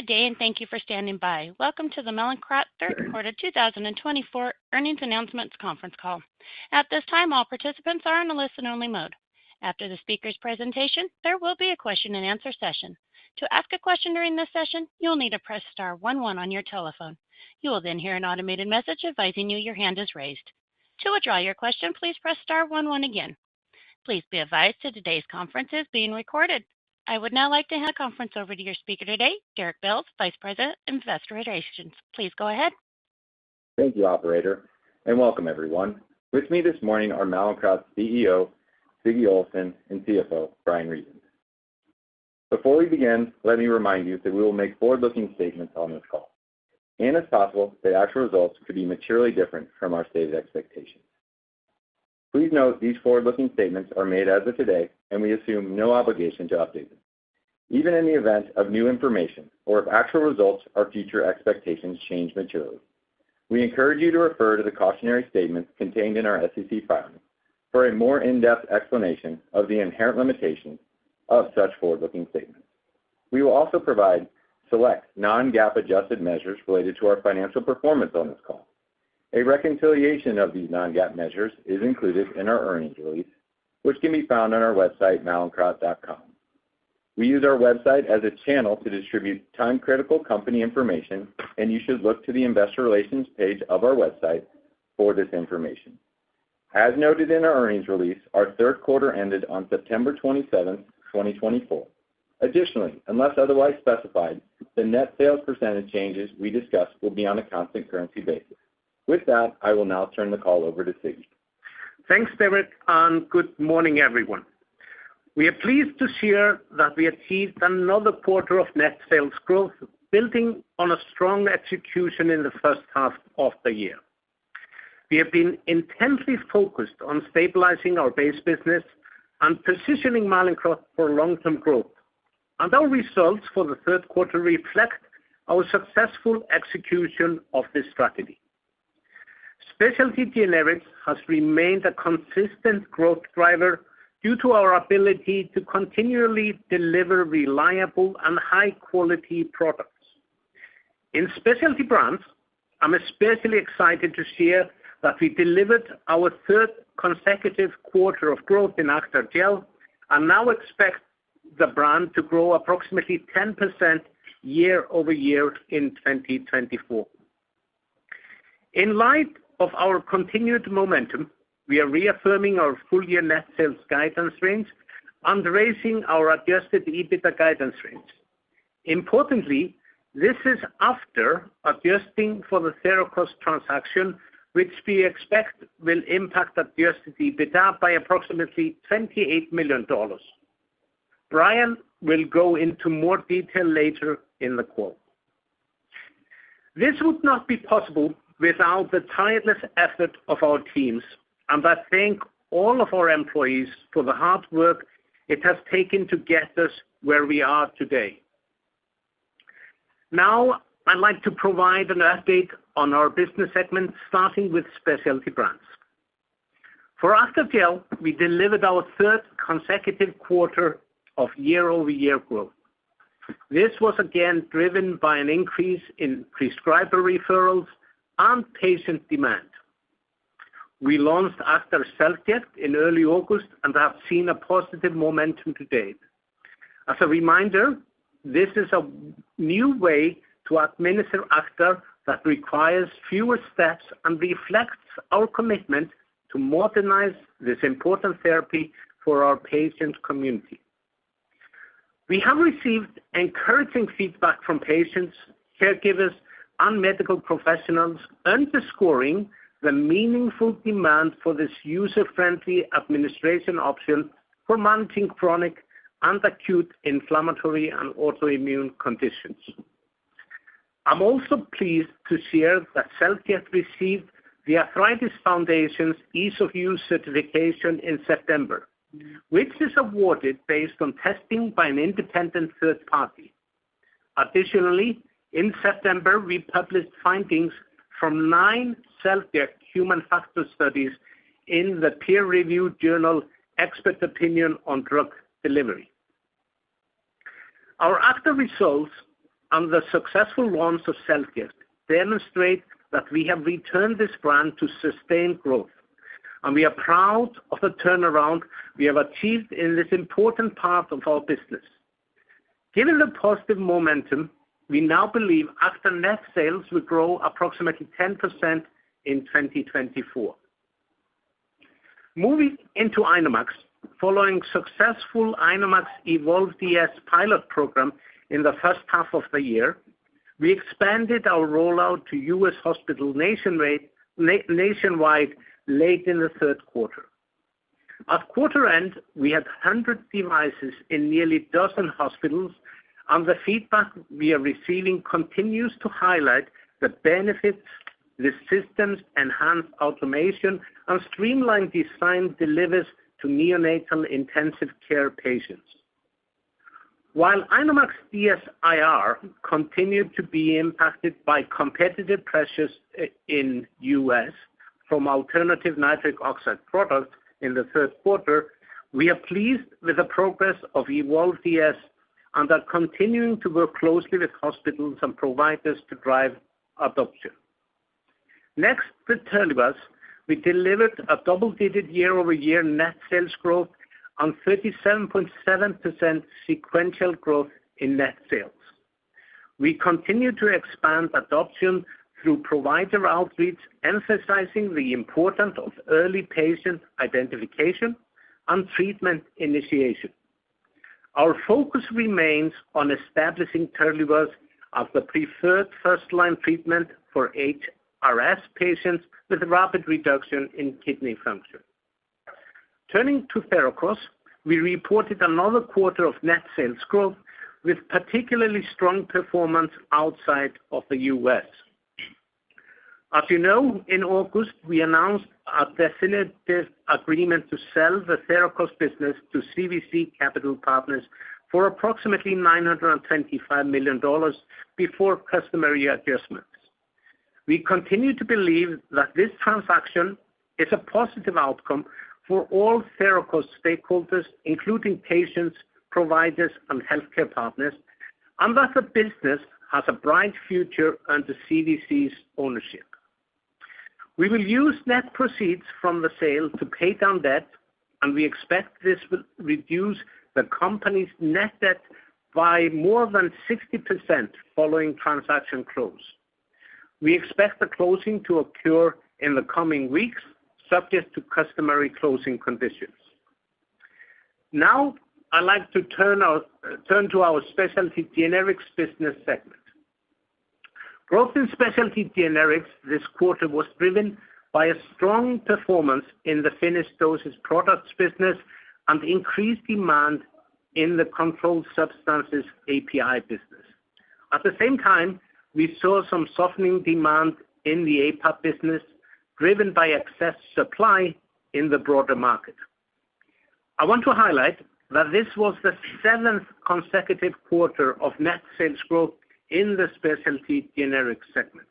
Good day, and thank you for standing by. Welcome to the Mallinckrodt Third Quarter 2024 Earnings Announcements Conference Call. At this time, all participants are on a listen-only mode. After the speaker's presentation, there will be a question-and-answer session. To ask a question during this session, you'll need to press star one one on your telephone. You will then hear an automated message advising you your hand is raised. To withdraw your question, please press star 11 again. Please be advised that today's conference is being recorded. I would now like to hand the conference over to your speaker today, Derek Belz, Vice President, Investor Relations. Please go ahead. Thank you, Operator, and welcome, everyone. With me this morning are Mallinckrodt's CEO, Sigurdur Olafsson, and CFO, Bryan Reasons. Before we begin, let me remind you that we will make forward-looking statements on this call, and it's possible that actual results could be materially different from our stated expectations. Please note these forward-looking statements are made as of today, and we assume no obligation to update them, even in the event of new information or if actual results or future expectations change materially. We encourage you to refer to the cautionary statements contained in our SEC filing for a more in-depth explanation of the inherent limitations of such forward-looking statements. We will also provide select Non-GAAP-adjusted measures related to our financial performance on this call. A reconciliation of these Non-GAAP measures is included in our earnings release, which can be found on our website, mallinckrodt.com. We use our website as a channel to distribute time-critical company information, and you should look to the Investor Relations page of our website for this information. As noted in our earnings release, our third quarter ended on September 27th, 2024. Additionally, unless otherwise specified, the net sales percentage changes we discussed will be on a constant currency basis. With that, I will now turn the call over to Sigurd. Thanks, Derek, and good morning, everyone. We are pleased to share that we achieved another quarter of net sales growth, building on a strong execution in the first half of the year. We have been intensely focused on stabilizing our base business and positioning Mallinckrodt for long-term growth, and our results for the third quarter reflect our successful execution of this strategy. Specialty generics has remained a consistent growth driver due to our ability to continually deliver reliable and high-quality products. In specialty brands, I'm especially excited to share that we delivered our third consecutive quarter of growth in Acthar Gel and now expect the brand to grow approximately 10% year over year in 2024. In light of our continued momentum, we are reaffirming our full-year net sales guidance range and raising our Adjusted EBITDA guidance range. Importantly, this is after adjusting for the Therakos transaction, which we expect will impact adjusted EBITDA by approximately $28 million. Bryan will go into more detail later in the call. This would not be possible without the tireless effort of our teams, and I thank all of our employees for the hard work it has taken to get us where we are today. Now, I'd like to provide an update on our business segment, starting with specialty brands. For Acthar Gel, we delivered our third consecutive quarter of year-over-year growth. This was again driven by an increase in prescriber referrals and patient demand. We launched Acthar Gel Single-Dose Self-Ject in early August and have seen a positive momentum to date. As a reminder, this is a new way to administer Acthar that requires fewer steps and reflects our commitment to modernize this important therapy for our patient community. We have received encouraging feedback from patients, caregivers, and medical professionals underscoring the meaningful demand for this user-friendly administration option for managing chronic and acute inflammatory and autoimmune conditions. I'm also pleased to share that Self-Ject received the Arthritis Foundation's Ease of Use Certification in September, which is awarded based on testing by an independent third party. Additionally, in September, we published findings from nine Self-Ject human factors studies in the peer-reviewed journal Expert Opinion on Drug Delivery. Our Acthar results and the successful launch of Self-Ject demonstrate that we have returned this brand to sustained growth, and we are proud of the turnaround we have achieved in this important part of our business. Given the positive momentum, we now believe Acthar net sales will grow approximately 10% in 2024. Moving into INOmax, following successful INOmax Evolve DS pilot program in the first half of the year, we expanded our rollout to U.S. hospitals nationwide late in the third quarter. At quarter end, we had 100 devices in nearly a dozen hospitals, and the feedback we are receiving continues to highlight the benefits the systems enhance automation and streamlined design delivers to neonatal intensive care patients. While INOmax DSIR continued to be impacted by competitive pressures in the U.S. from alternative nitric oxide products in the third quarter, we are pleased with the progress of Evolve DS and are continuing to work closely with hospitals and providers to drive adoption. Next, with Terlivaz, we delivered a double-digit year-over-year net sales growth and 37.7% sequential growth in net sales. We continue to expand adoption through provider outreach, emphasizing the importance of early patient identification and treatment initiation. Our focus remains on establishing Terlivaz as the preferred first-line treatment for HRS patients with a rapid reduction in kidney function. Turning to Therakos, we reported another quarter of net sales growth with particularly strong performance outside of the US. As you know, in August, we announced our definitive agreement to sell the Therakos business to CVC Capital Partners for approximately $925 million before customary adjustments. We continue to believe that this transaction is a positive outcome for all Therakos stakeholders, including patients, providers, and healthcare partners, and that the business has a bright future under CVC's ownership. We will use net proceeds from the sale to pay down debt, and we expect this will reduce the company's net debt by more than 60% following transaction close. We expect the closing to occur in the coming weeks, subject to customary closing conditions. Now, I'd like to turn to our specialty generics business segment. Growth in specialty generics this quarter was driven by a strong performance in the finished dose products business and increased demand in the controlled substances API business. At the same time, we saw some softening demand in the APAP business, driven by excess supply in the broader market. I want to highlight that this was the seventh consecutive quarter of net sales growth in the specialty generics segment.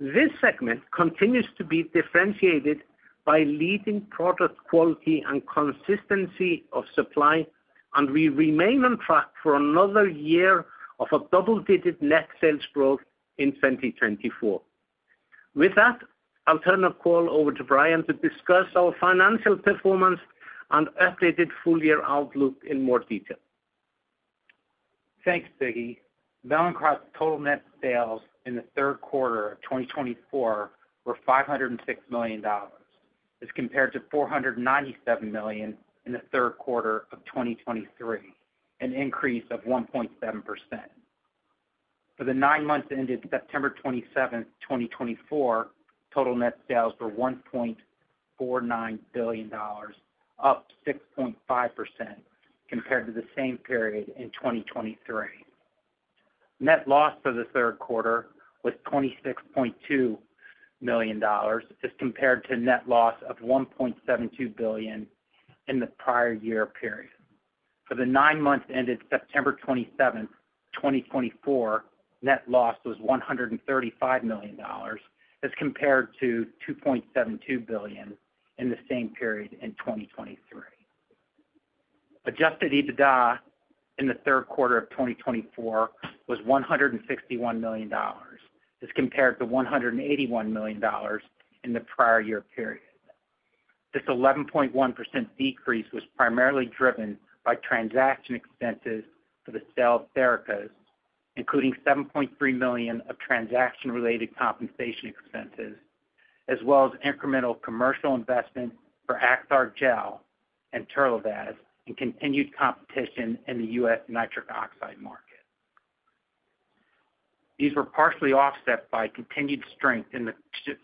This segment continues to be differentiated by leading product quality and consistency of supply, and we remain on track for another year of a double-digit net sales growth in 2024. With that, I'll turn the call over to Bryan to discuss our financial performance and updated full-year outlook in more detail. Thanks, Sigurd. Mallinckrodt's total net sales in the third quarter of 2024 were $506 million, as compared to $497 million in the third quarter of 2023, an increase of 1.7%. For the nine months ended September 27th, 2024, total net sales were $1.49 billion, up 6.5% compared to the same period in 2023. Net loss for the third quarter was $26.2 million, as compared to net loss of $1.72 billion in the prior year period. For the nine months ended September 27th, 2024, net loss was $135 million, as compared to $2.72 billion in the same period in 2023. Adjusted EBITDA in the third quarter of 2024 was $161 million, as compared to $181 million in the prior year period. This 11.1% decrease was primarily driven by transaction expenses for the sale of Therakos, including $7.3 million of transaction-related compensation expenses, as well as incremental commercial investment for Acthar Gel and Terlivaz, and continued competition in the U.S. nitric oxide market. These were partially offset by continued strength in the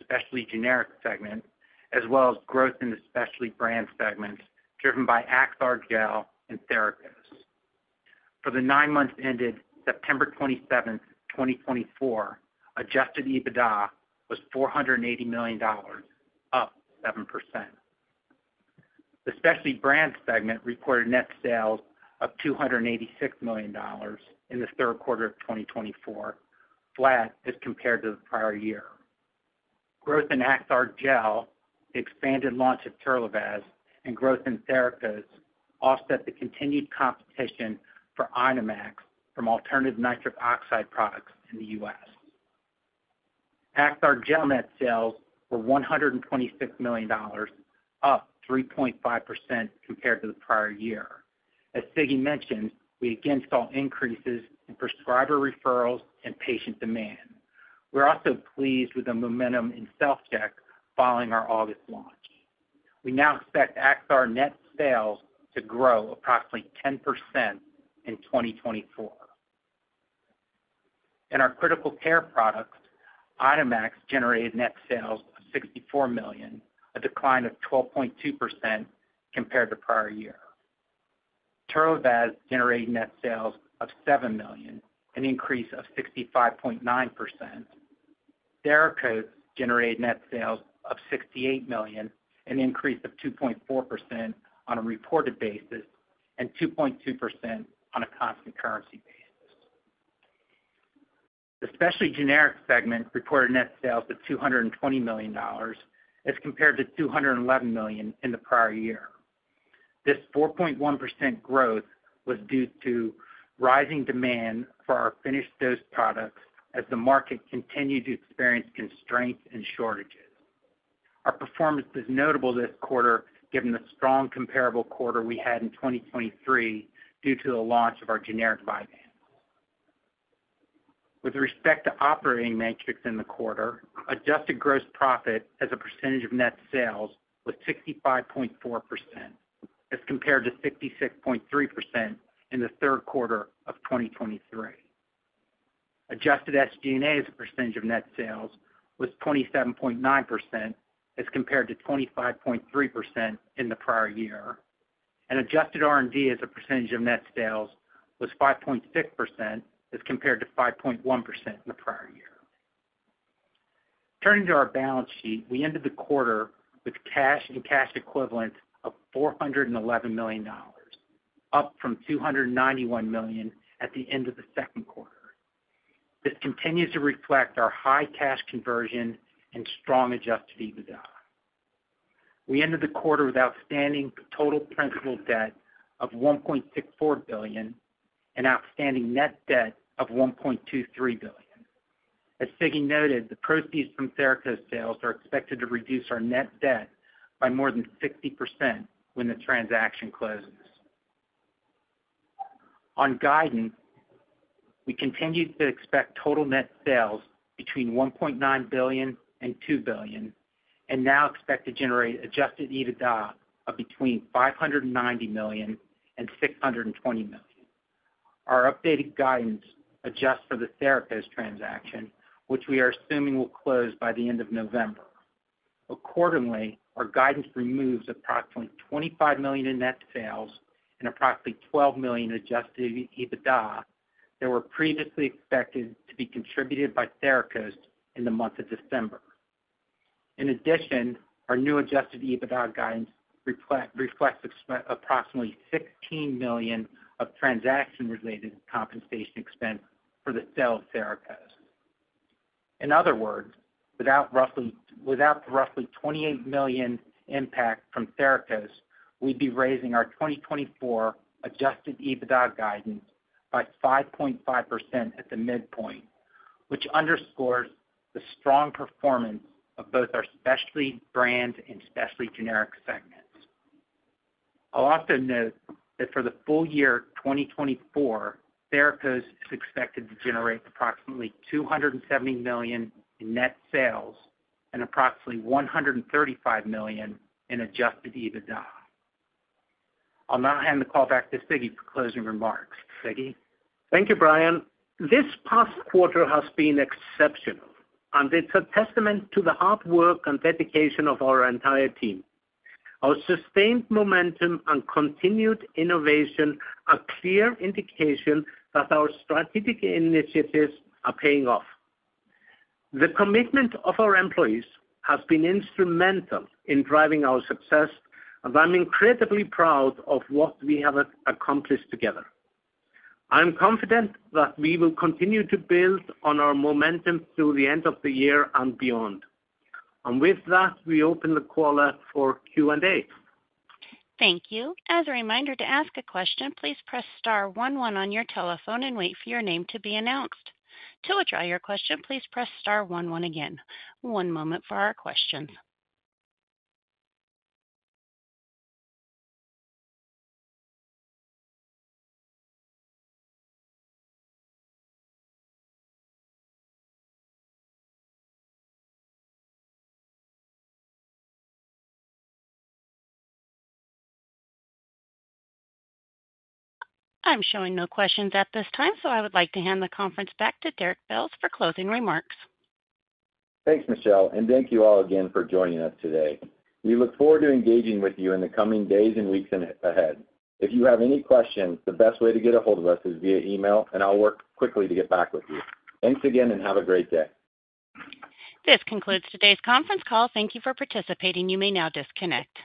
specialty generics segment, as well as growth in the specialty brand segment, driven by Acthar Gel and Therakos. For the nine months ended September 27th, 2024, Adjusted EBITDA was $480 million, up 7%. The specialty brand segment reported net sales of $286 million in the third quarter of 2024, flat as compared to the prior year. Growth in Acthar Gel, the expanded launch of Terlivaz, and growth in Therakos offset the continued competition for INOmax from alternative nitric oxide products in the U.S. Acthar Gel net sales were $126 million, up 3.5% compared to the prior year. As Sigurd mentioned, we again saw increases in prescriber referrals and patient demand. We're also pleased with the momentum in Self-Ject following our August launch. We now expect Acthar net sales to grow approximately 10% in 2024. In our critical care products, INOmax generated net sales of $64 million, a decline of 12.2% compared to the prior year. Terlivaz generated net sales of $7 million, an increase of 65.9%. Therakos generated net sales of $68 million, an increase of 2.4% on a reported basis and 2.2% on a constant currency basis. The specialty generics segment reported net sales of $220 million, as compared to $211 million in the prior year. This 4.1% growth was due to rising demand for our finished dose products as the market continued to experience constraints and shortages. Our performance is notable this quarter, given the strong comparable quarter we had in 2023 due to the launch of our generic Vyvanse. With respect to operating metrics in the quarter, adjusted gross profit as a percentage of net sales was 65.4%, as compared to 66.3% in the third quarter of 2023. Adjusted SG&A as a percentage of net sales was 27.9%, as compared to 25.3% in the prior year, and adjusted R&D as a percentage of net sales was 5.6%, as compared to 5.1% in the prior year. Turning to our balance sheet, we ended the quarter with cash and cash equivalents of $411 million, up from $291 million at the end of the second quarter. This continues to reflect our high cash conversion and strong Adjusted EBITDA. We ended the quarter with outstanding total principal debt of $1.64 billion and outstanding net debt of $1.23 billion. As Sigurd noted, the proceeds from Therakos sales are expected to reduce our net debt by more than 60% when the transaction closes. On guidance, we continue to expect total net sales between $1.9 billion and $2 billion, and now expect to generate Adjusted EBITDA of between $590 million and $620 million. Our updated guidance adjusts for the Therakos transaction, which we are assuming will close by the end of November. Accordingly, our guidance removes approximately $25 million in net sales and approximately $12 million in Adjusted EBITDA that were previously expected to be contributed by Therakos in the month of December. In addition, our new Adjusted EBITDA guidance reflects approximately $16 million of transaction-related compensation expense for the sale of Therakos. In other words, without roughly $28 million impact from Therakos, we'd be raising our 2024 Adjusted EBITDA guidance by 5.5% at the midpoint, which underscores the strong performance of both our specialty brand and specialty generics segments. I'll also note that for the full year 2024, Therakos is expected to generate approximately $270 million in net sales and approximately $135 million in Adjusted EBITDA. I'll now hand the call back to Sigurd for closing remarks. Sigurd. Thank you, Bryan. This past quarter has been exceptional, and it's a testament to the hard work and dedication of our entire team. Our sustained momentum and continued innovation are a clear indication that our strategic initiatives are paying off. The commitment of our employees has been instrumental in driving our success, and I'm incredibly proud of what we have accomplished together. I'm confident that we will continue to build on our momentum through the end of the year and beyond. And with that, we open the call up for Q&A. Thank you. As a reminder, to ask a question, please press star one one on your telephone and wait for your name to be announced. To withdraw your question, please press star one one again. One moment for our questions. I'm showing no questions at this time, so I would like to hand the conference back to Derek Belz for closing remarks. Thanks, Michelle, and thank you all again for joining us today. We look forward to engaging with you in the coming days and weeks ahead. If you have any questions, the best way to get a hold of us is via email, and I'll work quickly to get back with you. Thanks again, and have a great day. This concludes today's conference call. Thank you for participating. You may now disconnect.